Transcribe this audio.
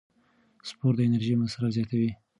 سپورت د انرژۍ مصرف زیاتوي.